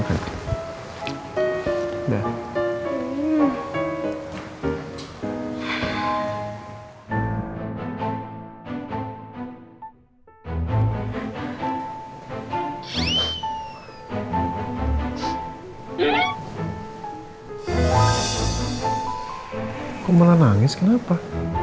kok malah nangis kenapa